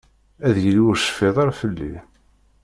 Ad yili ur tecfiḍ ara fell-i.